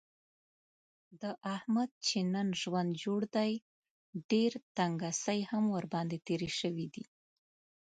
د احمد چې نن ژوند جوړ دی، ډېر تنګڅۍ هم ورباندې تېرې شوي دي.